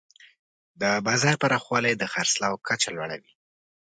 د بازار پراخوالی د خرڅلاو کچه لوړوي.